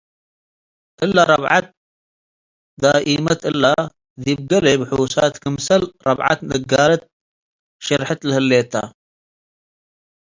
'” እለ ረብዐት ዳኢመት እለ፣ ዲብ ገሌ ብሑሳት ክምሰል “ረብዐት ንጋረት” ሽርሕት ለህሌት ተ ።